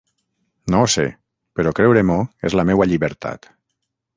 No ho sé, però creure-m'ho és la meua llibertat.